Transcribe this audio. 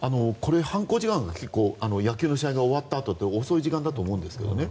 犯行時間も野球の試合が終わったあとという遅い時間だと思うんですね。